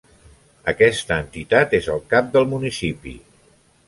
Aquesta entitat és el cap del municipi.